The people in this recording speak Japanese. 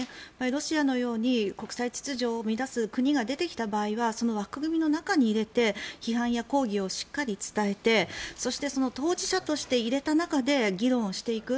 ロシアのように国際秩序を乱す国が出てきた場合はその枠組みの中に入れて批判や抗議をしっかり伝えてそして、当事者として入れた中で議論をしていく。